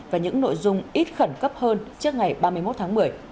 và những nội dung ít khẩn cấp hơn trước ngày ba mươi một tháng một mươi